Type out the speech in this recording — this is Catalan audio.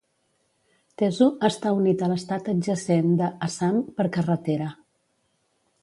Tezu està unit a l'estat adjacent de Assam per carretera.